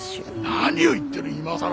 何を言ってる今更。